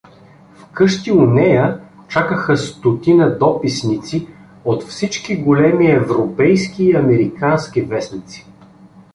В къщи у нея чакаха стотина дописници от всички големи европейски и американски вестници.